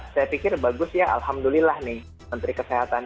saya pikir bagus ya alhamdulillah nih menteri kesehatan